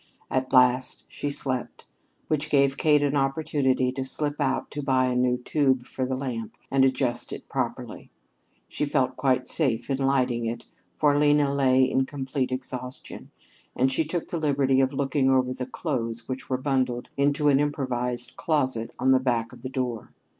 At last she slept, which gave Kate an opportunity to slip out to buy a new tube for the lamp and adjust it properly. She felt quite safe in lighting it, for Lena lay in complete exhaustion, and she took the liberty of looking over the clothes which were bundled into an improvised closet on the back of the door.